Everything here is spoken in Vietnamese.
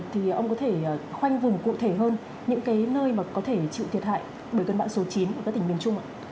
thì ông có thể khoanh vùng cụ thể hơn những cái nơi mà có thể chịu thiệt hại bởi cân bản số chín ở cái tỉnh miền trung ạ